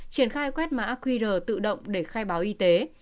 triển khai quét mã qr tự động để khai báo y tế